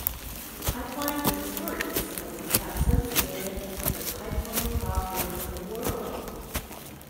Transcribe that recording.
Pipelines and storage facilities have since made it the pipeline crossroads of the world.